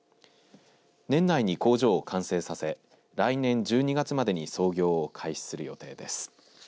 年内に工場を完成させ来年１２月までに操業を開始する予定です。